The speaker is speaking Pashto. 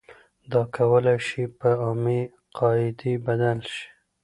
دا کولای شي په عامې قاعدې بدل شي.